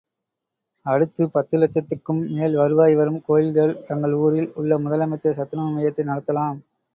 அடுத்து, பத்து லட்சத்துக்கும் மேல் வருவாய் வரும் கோயில்கள் தங்கள் ஊரில் உள்ள முதலமைச்சர் சத்துணவு மையத்தை நடத்தலாம்.